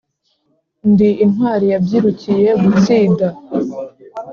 Ndi intwari yabyirukiye gutsida